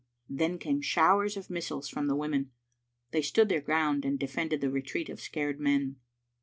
" Then came showers of missiles from the women. They stood their ground and defended the retreat of the scared men.